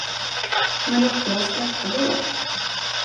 Men, Lotte, vad skrattar du åt?